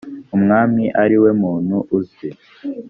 umwami ari we muntu uzwi